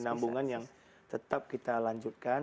penambungan yang tetap kita lanjutkan